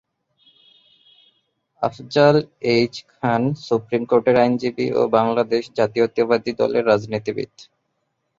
Afzal H Khan Supreme কোর্টের আইনজীবী ও বাংলাদেশ জাতীয়তাবাদী দলের রাজনীতিবিদ।